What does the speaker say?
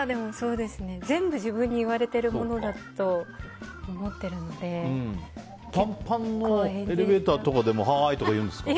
全部、自分に言われているものだとパンパンのエレベーターとかでもはーいとか言うんですか？